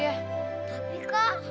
ini yang harus diberikan pak